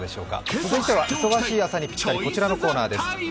続いては忙しい朝にぴったり、こちらのコーナーです。